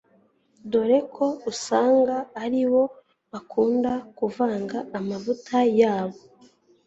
dore ko usanga aribo bakunda kuvanga amavuta yabo